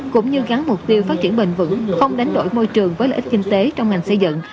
cũng như gắn mục tiêu phát triển bền vững không đánh đổi môi trường với lợi ích kinh tế trong ngành xây dựng